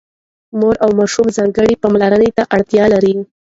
مور او ماشوم ځانګړې پاملرنې ته اړتيا لري.